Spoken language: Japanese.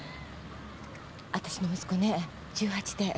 わたしの息子ね１８で。